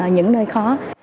những nơi khó